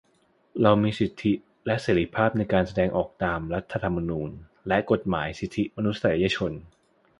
เรามีสิทธิและเสรีภาพในการแสดงออกตามรัฐธรรมนูญ และตามกฎหมายสิทธิมนุษยชน